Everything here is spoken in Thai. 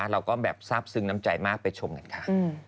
เราก็แบบซับซึ้งน้ำใจมากอ้าวไปชมก่อนค่ะ